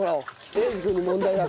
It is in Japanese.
英二君の問題だ